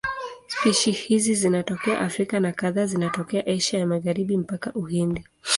Spishi hizi zinatokea Afrika na kadhaa zinatokea Asia ya Magharibi mpaka Uhindi.